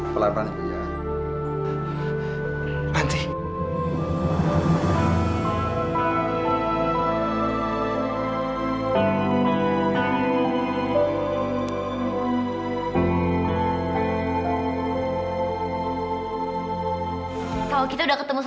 selamat malam ibu ya